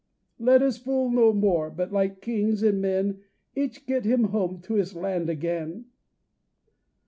"Let us fool no more, but like kings and men Each get him home to his land again!"